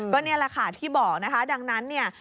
ก็นี่แหละค่ะที่บอกนะคะดังนั้นเนี่ย